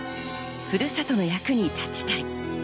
ふるさとの役に立ちたい。